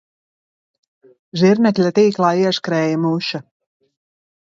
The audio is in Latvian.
Zirnekļa tīklā ieskrēja muša